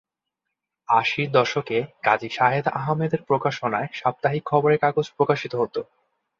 আশির দশকে কাজী শাহেদ আহমেদের প্রকাশনায় সাপ্তাহিক খবরের কাগজ প্রকাশিত হত।